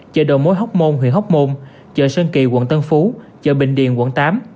chợ đầu mối hóc môn huyện hóc môn chợ sơn kỳ quận tân phú chợ bình điền quận tám